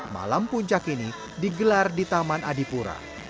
malam puncak ini digelar di taman adipura